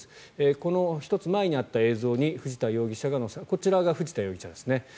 この１つ前にあった映像に藤田容疑者がこちらが藤田容疑者ですね。